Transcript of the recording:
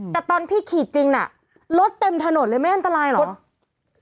แต่ตอนพี่ขีดจริงน่ะรถเต็มถนนเลยไม่อันตรายเหรอ